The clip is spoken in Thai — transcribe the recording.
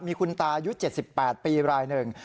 มีคุณตายุ๗๘ปีรายหนึ่ง